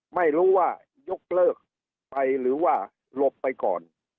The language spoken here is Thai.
ไม่รู้ว่ายกเลิกไปหรือว่าหลบไปก่อน